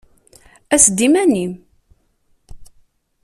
Ass-d iman-im!